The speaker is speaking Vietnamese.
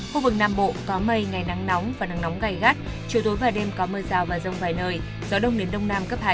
khu vực nam bộ có mây ngày nắng nóng và nắng nóng gai gắt chiều tối và đêm có mưa rào và rông vài nơi gió đông đến đông nam cấp hai